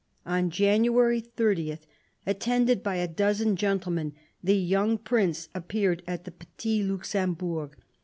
On January 30, attended by a dozen gentlemen, the young Prince appeared at the Petit Luxembourg.